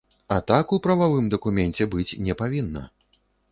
А так у прававым дакуменце быць не павінна.